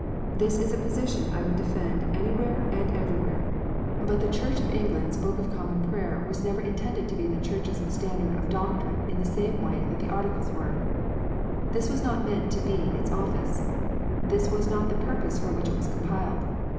This is a position I would defend anywhere and everywhere. But the Church of England s THE THIRTY XIXE ARTICLES. 77 ]>ook of Common Prayer was never intended to be the Church s standard of doctrine in the same way that the Articles were. This was not meant to be its office ; this was not the purpose for which it was compiled.